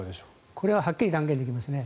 これははっきり断言できますね。